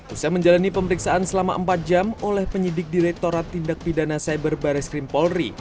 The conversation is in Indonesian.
usai menjalani pemeriksaan selama empat jam oleh penyidik direkturat tindak pidana cyber baris krim polri